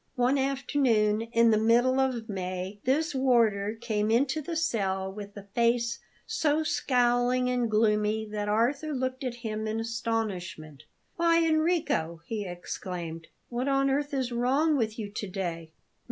One afternoon in the middle of May this warder came into the cell with a face so scowling and gloomy that Arthur looked at him in astonishment. "Why, Enrico!" he exclaimed; "what on earth is wrong with you to day?"